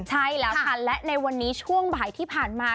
ใช่แล้วค่ะและในวันนี้ช่วงบ่ายที่ผ่านมา